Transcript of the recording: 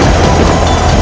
itu udah gila